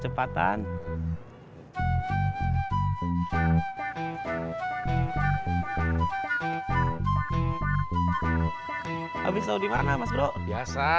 dompet kamu udah kembali